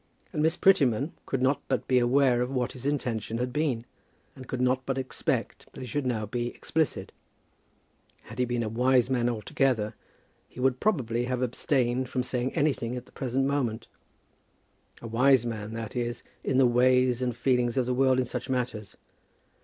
And Miss Prettyman could not but be aware of what his intention had been, and could not but expect that he should now be explicit. Had he been a wise man altogether, he would probably have abstained from saying anything at the present moment, a wise man, that is, in the ways and feelings of the world in such matters.